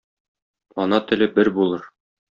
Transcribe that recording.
Ана теле бер булыр